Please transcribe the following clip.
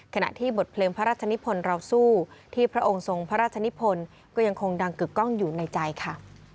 ขณะที่บทเพลงพระราชนิพลเราสู้ที่พระองค์ทรงพระราชนิพลก็ยังคงดังกึกกล้องอยู่ในใจค่ะ